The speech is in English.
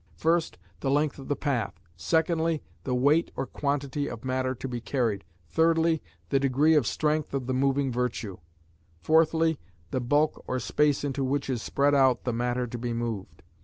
First, the length of the path; secondly, the weight or quantity of matter to be carried; thirdly, the degree of strength of the moving virtue; fourthly, the bulk or space into which is spread out the matter to be moved.